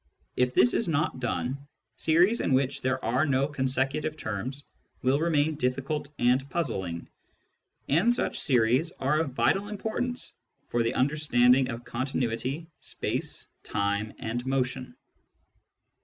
If this is not done, series in which there are no consecutive terms will remain difficult and puzzling. And such series are of vital importance for the understanding of continuity, space, time, and motion.